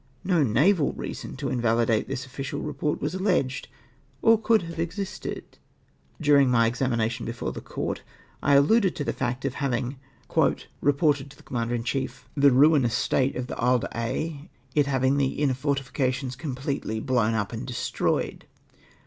No naval reason to invahdate this official report was alleged, or could have existed. During my examination before the Court I alluded to the fact of having " reported to the Commander in G 2 84 ATTEMPT OF THE COURT TO STOP MY EVIDENCE. chief the ruinous state of the He of Aix, it having the inner fortifications completehj hlovn up and destroyed.